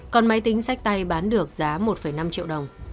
còn máy tính sách tay bán được giá một năm triệu đồng